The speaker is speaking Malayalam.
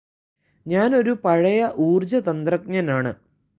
ഞാനൊരു പഴയ ഊര്ജ്ജതന്ത്രജ്ഞനാണ്